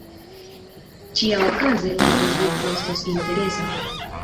Ĉiaokaze la rezulto estos interesa.